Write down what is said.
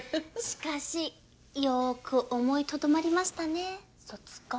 しかしよく思いとどまりましたね卒婚。